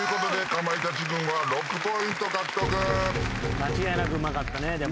間違いなくうまかったねでも。